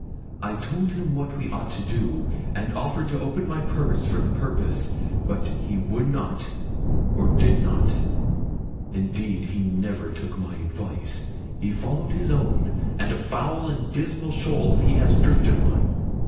I told him what he ought to do, and offered to open my purse for the purpose; but he would not, or did not; indeed, he never took my advice; he followed his own, and a foul and dismal shoal he has drifted on.